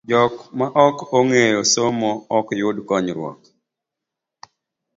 Jogo ma ok ong'eyo somo ok yud konyruok.